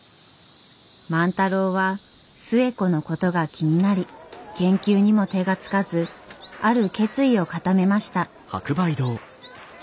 万太郎は寿恵子のことが気になり研究にも手が付かずある決意を固めました。